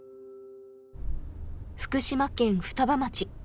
福島県双葉町。